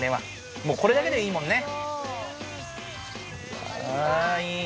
これだけでいいもんね。